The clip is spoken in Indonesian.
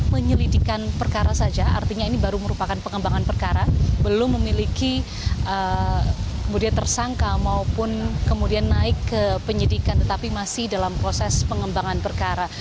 penyelidikan perkara saja artinya ini baru merupakan pengembangan perkara belum memiliki kemudian tersangka maupun kemudian naik ke penyidikan tetapi masih dalam proses pengembangan perkara